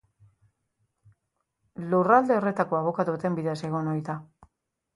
Lurralde horretako abokatu baten bidez egin ohi da.